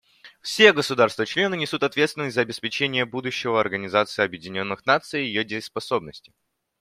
Все государства-члены несут ответственность за обеспечение будущего Организации Объединенных Наций и ее дееспособности.